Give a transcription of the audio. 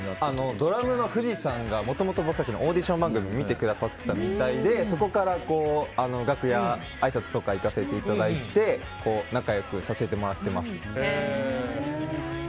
ドラムのＦＵＪＩさんがもともと僕たちのオーディション番組を見てくださってたみたいでそこから楽屋あいさつとか行かせていただいて仲良くさせてもらってます。